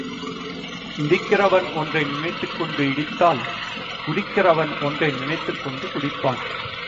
இடிக்கிறவன் ஒன்றை நினைத்துக்கொண்டு இடித்தால், குடிக்கிறவன் ஒன்றை நினைத்துக்கொண்டு குடிப்பான்.